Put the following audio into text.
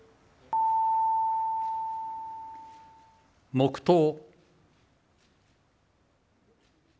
黙とう。